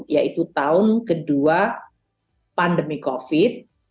yaitu tahun kedua pandemi covid sembilan belas